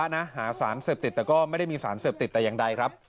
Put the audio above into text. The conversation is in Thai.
นะหาสารเสพติดแต่ก็ไม่ได้มีสารเสพติดแต่อย่างใดครับ